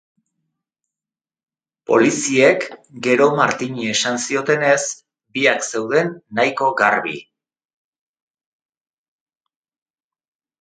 Poliziek gero Martini esan ziotenez, biak zeuden nahiko garbi.